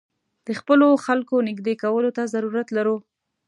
د خپلو خلکو نېږدې کولو ته ضرورت لرو.